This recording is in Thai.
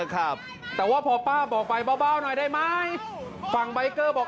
ครับแต่ว่าพอป้าบอกไปเบาหน่อยได้ไหมฝั่งใบเกอร์บอก